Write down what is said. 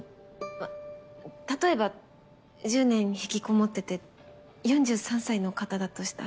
あっ例えば１０年引きこもってて４３歳の方だとしたら？